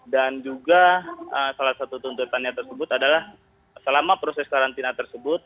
dan juga salah satu tuntutannya tersebut adalah selama proses karantina tersebut